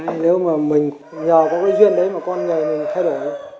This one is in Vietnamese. nếu mà mình nhờ có cái duyên đấy mà con người mình thay đổi